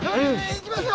行きますよ！